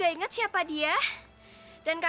karena adanya jayanya